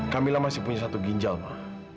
kamila masih punya satu ginjal pak